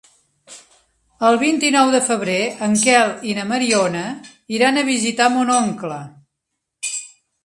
El vint-i-nou de febrer en Quel i na Mariona iran a visitar mon oncle.